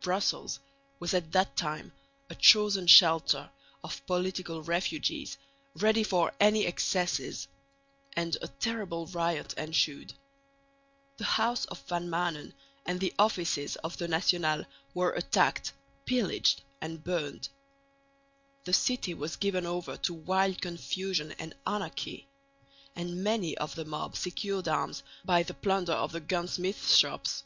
Brussels was at that time a chosen shelter of political refugees, ready for any excesses; and a terrible riot ensued. The house of Van Maanen and the offices of the National were attacked, pillaged and burnt. The city was given over to wild confusion and anarchy; and many of the mob secured arms by the plunder of the gun smiths' shops.